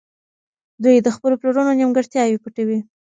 دوی د خپلو پلرونو نيمګړتياوې پټوي.